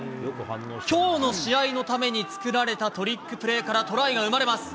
きょうの試合のために作られたトリックプレーからトライが生まれます。